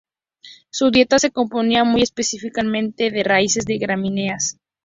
Su dieta se componía muy especialmente de raíces de gramíneas.